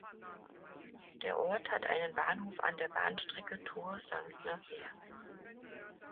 Der Ort hat einen Bahnhof an der Bahnstrecke Tours–Saint-Nazaire.